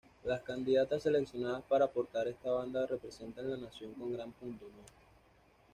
Las candidatas seleccionadas para portar esta banda representan la nación con gran pundonor.